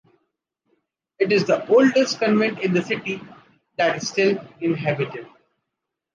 It is the oldest convent in the city that is still inhabited.